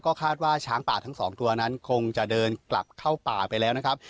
คาดว่าช้างป่าทั้งสองตัวนั้นคงจะเดินกลับเข้าป่าไปแล้วนะครับ